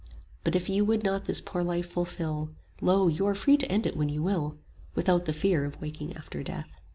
But if you would not this poor life fulfil, Lo, you are free to end it when you will, Without the fear of waking after death.